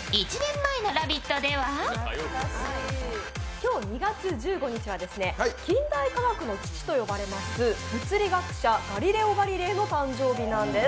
今日、２月１５日はですね、近代科学の父と呼ばれます、物理学者のガリレオ・ガリレイの誕生日なんです。